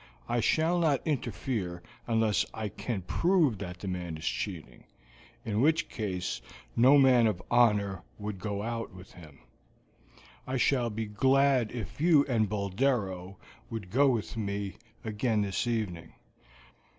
I shall not interfere unless I can prove that the man is cheating, in which case no man of honor would go out with him. I shall be glad if you and Boldero would go with me again this evening.